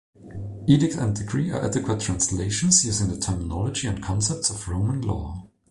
"Edict" and "decree" are adequate translations using the terminology and concepts of Roman law.